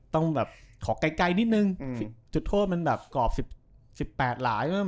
ต้องแบบขอไกลนิดนึงจุดโทษมันแบบกรอบ๑๘หลาย